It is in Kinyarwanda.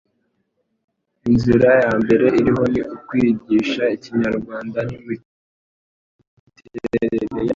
Inzira ya mbere iriho ni ukwigisha Ikinyarwanda n'imiterere yacyo.